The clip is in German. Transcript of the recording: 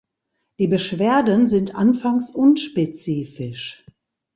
Die Beschwerden sind anfangs unspezifisch.